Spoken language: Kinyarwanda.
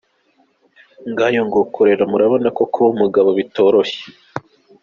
Ngayo nguko rero murabona ko kuba umugabo bitoroshye.